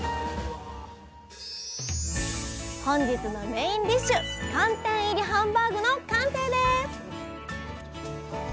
本日のメインディッシュ寒天入りハンバーグの完成です